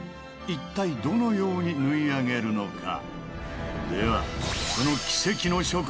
一体どのように縫い上げるのか？